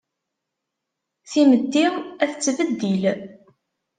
Timetti a tettbeddil.